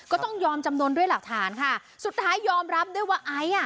ก็ต้องยอมจำนวนด้วยหลักฐานค่ะสุดท้ายยอมรับด้วยว่าไอซ์อ่ะ